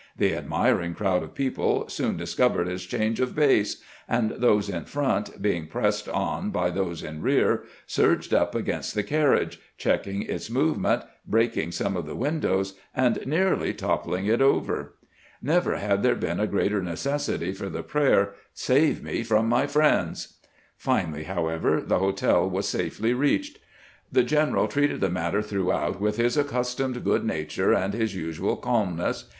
The admiring crowd of people soon discovered his change of base, and those in front, being pressed on by those in rear, surged up against the carriage, check ing its movement, breaking some of the windows, and nearly toppling it over. Never had there been a greater necessity for the prayer, " Save me from my friends !" Finally, however, the hotel was safely reached. The general treated the matter throughout with his accus tomed good nature and his usual calmness.